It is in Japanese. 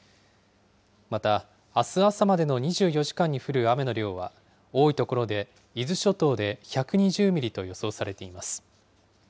また、あす朝までの２４時間に降る雨の量は、多い所で伊豆諸島で１２０ミリと予想されています。